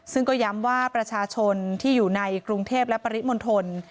ซึ่งก็ย้ำว่าประชาชนที่อยู่ในกรุงเทพและปริมณฑล